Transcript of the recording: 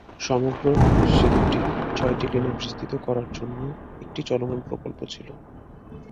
সমগ্র সেতুটি ছয়টি লেনে বিস্তৃত করার জন্য একটি চলমান প্রকল্প ছিল।